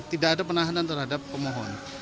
tidak ada penahanan terhadap pemohon